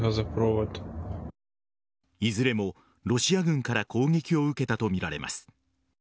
いずれもロシア軍から攻撃を受けたとみられます。